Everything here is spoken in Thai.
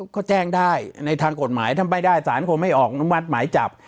ก็แจ้งได้ในทางกฎหมายถ้าไม่ได้สารคงไม่ออกอนุมัติหมายจับ